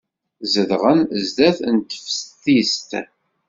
Zedɣen sdat teftist.